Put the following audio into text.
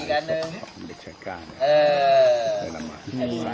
สวัสดีครับ